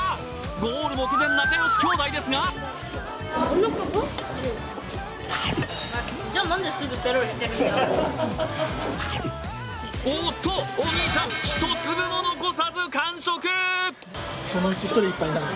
ゴール目前、仲良し兄弟ですがおおっと、お兄ちゃん、一粒も残さず完食！